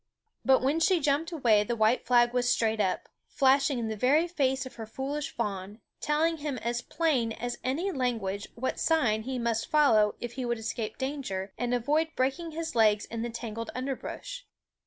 But when she jumped away, the white flag was straight up, flashing in the very face of her foolish fawn, telling him as plain as any language what sign he must follow, if he would escape danger and avoid breaking his legs in the tangled underbrush.